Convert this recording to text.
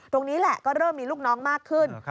ตรงนี้แหละก็เริ่มมีลูกน้องมากขึ้น